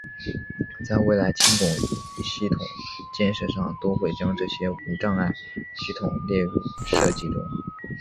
在未来轻轨系统建设上都会将这些无障碍系统列入设计中。